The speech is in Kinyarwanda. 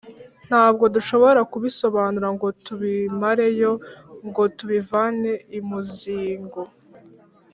Ntabwo dushobora kubisobanura ngo tubimare yo (ngo tubivane i Muzingo),